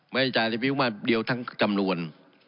ไม่ได้จ่ายในปีประมาณเดียวทั้งจำนวน